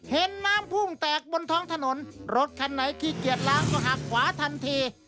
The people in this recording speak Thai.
เห็นน้ำพุ่งแตกบนท้องถนนรถคันไหนขี้เกียจล้างก็หักขวาทันที